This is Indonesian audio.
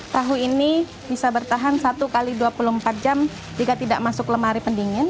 tahu ini bisa bertahan satu x dua puluh empat jam jika tidak masuk lemari pendingin